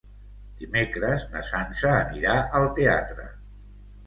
Dimecres na Sança anirà al teatre.